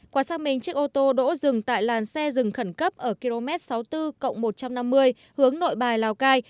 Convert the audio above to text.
qua xác minh chiếc ô tô đỗ dừng tại làn xe dừng khẩn cấp ở km sáu mươi bốn một trăm năm mươi hướng nội bài lào cai